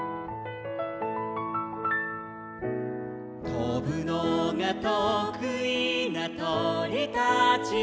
「とぶのがとくいなとりたちも」